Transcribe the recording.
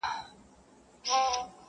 د شداد او د توبې یې سره څه.